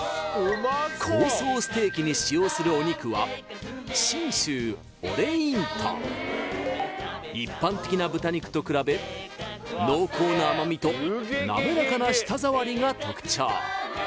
香草ステーキに使用するお肉は一般的な豚肉と比べ濃厚な甘みとなめらかな舌触りが特徴